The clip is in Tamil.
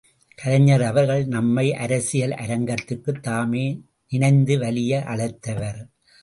கலைஞர் அவர்கள் நம்மை அரசியல் அரங்கத்திற்குத் தாமே நினைந்து வலிய அழைத்தவர்!